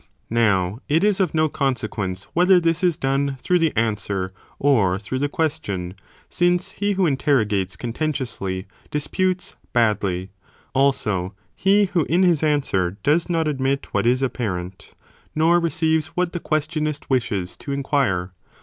Now it is of no consequence whether this is done, through the answer or through the question, since he who interrogates contentiously, disputes badly, also he who in his answer does not admit what is apparent, nor receives what the questionist wishes to in quire.